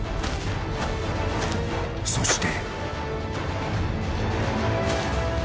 ［そして］